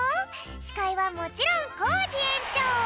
しかいはもちろんコージえんちょう！